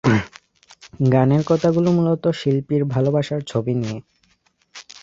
গানের কথাগুলি মূলত শিল্পীর ভালবাসার ছবি নিয়ে।